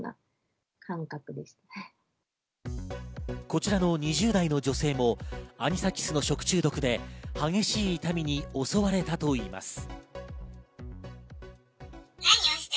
こちらの２０代の女性もアニサキスの食中毒で激しい痛みに襲われたといいます。